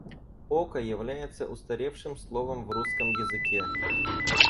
Око является устаревшим словом в русском языке.